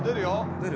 出る？